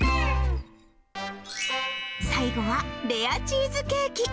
最後はレアチーズケーキ。